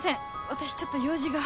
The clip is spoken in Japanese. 私ちょっと用事が。